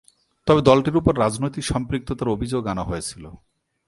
তবে, দলটির উপর রাজনৈতিক সম্পৃক্ততার অভিযোগ আনা হয়েছিল।